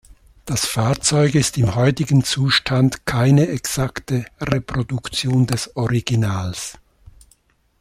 Das Fahrzeug ist im heutigen Zustand keine exakte Reproduktion des Originals.